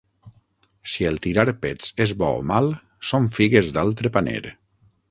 Si el tirar pets és bo o mal, són figues d'altre paner.